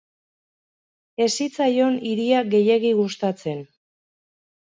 Ez zitzaion hiria gehiegi gustatzen.